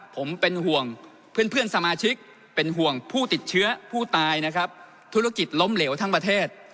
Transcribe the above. ผมเป็นห่วงเพื่อนสมาชิกเป็นห่วงผู้ติดเชื้อผู้ตายนะครับธุรกิจล้มเหลวทั้งประเทศ